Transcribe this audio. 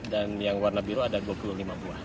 dan yang warna biru ada dua puluh lima buah